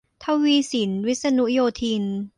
ทวีศิลป์ วิษณุโยธิน